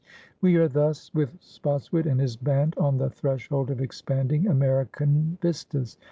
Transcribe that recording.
We are thus, with Spotswood and his band, on the threshold of expanding American vistas.